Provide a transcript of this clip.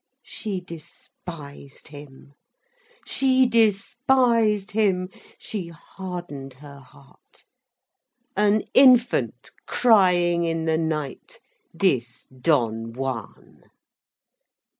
She despised him, she despised him, she hardened her heart. An infant crying in the night, this Don Juan.